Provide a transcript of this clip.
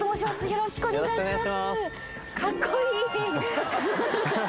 よろしくお願いします